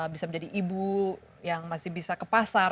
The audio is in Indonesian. bisa menjadi ibu yang masih bisa ke pasar